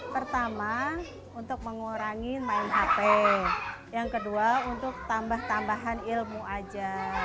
pertama untuk mengurangi main hp yang kedua untuk tambah tambahan ilmu aja